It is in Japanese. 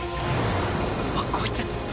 うわっこいつ！